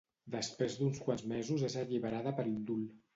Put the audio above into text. Després d'uns quants mesos és alliberada per indult.